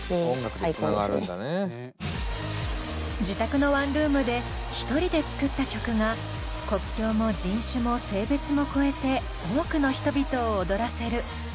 自宅のワンルームで１人で作った曲が国境も人種も性別も超えて多くの人々を踊らせる。